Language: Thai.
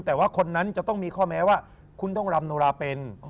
แต่ว่าคนนั้นจะต้องมีข้อแม้ว่าคุณต้องรำโนราเป็น